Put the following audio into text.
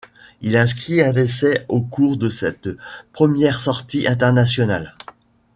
Il inscrit un essai au cours de cette première sortie internationale.